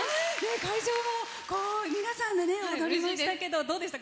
会場、皆さんで踊りましたけどどうでした？